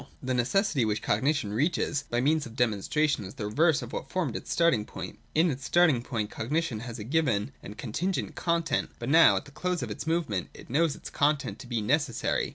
The necessity which cognition reaches by means of the demonstration is the reverse of what formed its starting point. In its starting point cognition had a given and a con tingent content ; but now, at the close of its movement, it knows its content to be necessary.